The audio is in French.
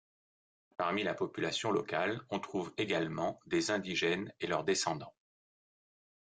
Parmi la population locale, on trouve également des indigènes et leurs descendants.